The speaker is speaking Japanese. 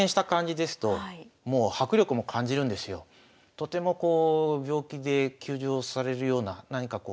とてもこう病気で休場されるような何かこう